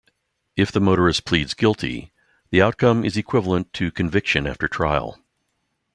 If the motorist pleads guilty, the outcome is equivalent to conviction after trial.